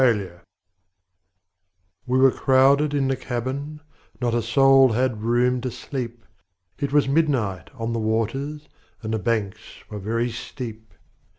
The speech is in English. Field] WE were crowded in the cabin, Not a soul had room to sleep; It was midnight on the waters, And the banks were very steep.